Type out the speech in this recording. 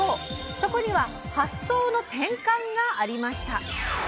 そこには「発想の転換」がありました。